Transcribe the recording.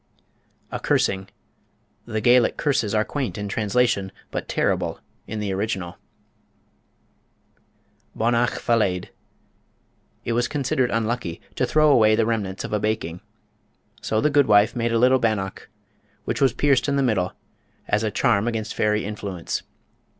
A Cursing The Gaelic curses are quaint in translation, but terrible in the original. Bonnach Fallaidh. It was considered unlucky to throw away the remnants of a baking. So the good wife made a little bannock, which was pierced in the middle, as a charm against fairy influence.